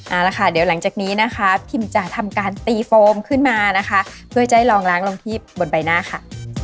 เอาละค่ะเดี๋ยวหลังจากนี้นะคะพิมจะทำการตีโฟมขึ้นมานะคะเพื่อจะให้ลองล้างลงที่บนใบหน้าค่ะ